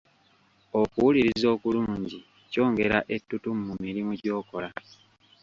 Okuwuliriza okulungi kyongera ettutumu mu mirimu gy'okola.